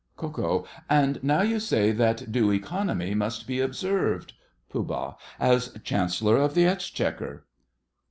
KO. And now you say that due economy must be observed. POOH. As Chancellor of the Exchequer.